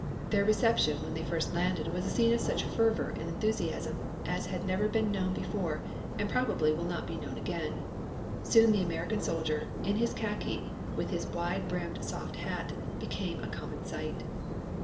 Their reception when they first landed was a scene of such fervor and enthusiasm as had never been known before and probably will not be known again. Soon the American soldier, in his khaki, with his wide brimmed soft hat, became a common sight.